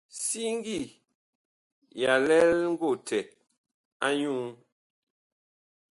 Siŋgi ya lɛl ngotɛ a nyuú.